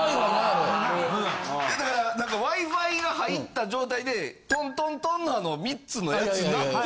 だからＷｉ−Ｆｉが入った状態でトントントンの３つのやつ。